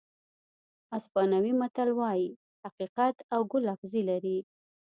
اسپانوي متل وایي حقیقت او ګل اغزي لري.